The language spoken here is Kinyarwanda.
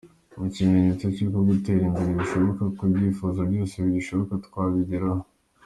Ni ikimenyetso cy’uko gutera imbere bishoboka, ko n’ibyifuzo byose bishoboka twabigeraho.